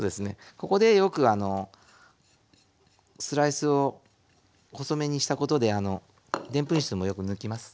ここでよくスライスを細めにしたことででんぷん質もよく抜きます。